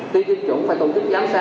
tuy tiêm chủng phải tổ chức giám sát